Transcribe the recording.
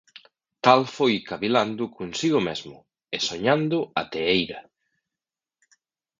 Tal foi cavilando consigo mesmo e soñando ata a eira.